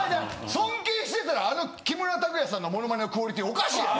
尊敬してたらあの木村拓哉さんのモノマネのクオリティーおかしいやろ！